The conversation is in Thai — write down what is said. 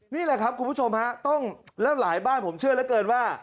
นี่แหละครับคุณผู้ชมฮะต้องแล้วหลายบ้านผมเชื่อเหลือเกินว่า